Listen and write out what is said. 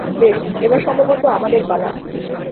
বেশ, এবার সম্ভবত আমাদের পালা।